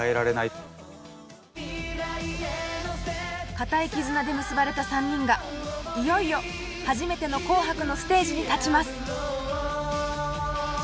固い絆で結ばれた３人がいよいよ初めての紅白のステージに立ちます。